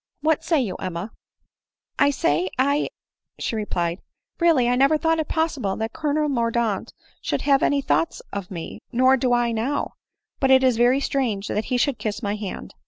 What say you, Emma ?"" I say ?■— I —" she replied 5 —" really I never thought it possible that Colonel Mordaunt should have any thoughts of me, nor do I now ;— but it is very strange that he should kiss my hand